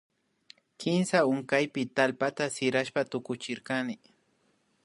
Kimsa hunkaypimi tallpata sirashpa tukuchirkani